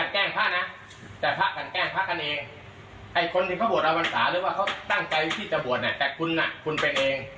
คนที่บวชอวานศาหรือว่าเขาตั้งใจวิธีจะบวชแต่คุณนะคุณเป็นเอง